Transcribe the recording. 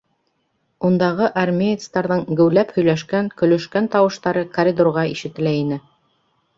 Ундағы армеецтарҙың геүләп һөйләшкән, көлөшкән тауыштары коридорға ишетелә ине.